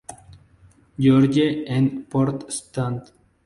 George, en Port St.